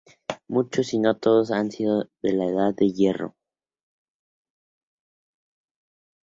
Muchos, si no todos, se han datado en la Edad de Hierro.